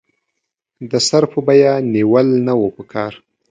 د سر په بیه نېول نه وو پکار.